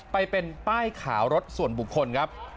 ไปเป็นป้ายขาวรถส่วนบุคคลครับ